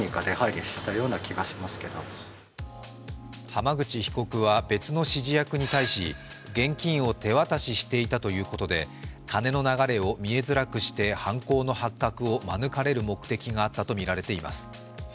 浜口被告は別の指示役に対し、現金を手渡ししていたということで、金の流れを見えづらくして犯行の発覚を免れる目的があったとみられています。